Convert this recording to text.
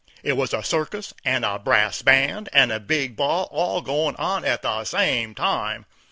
It was a circus and a brass band and a big ball all goin' on at the same time.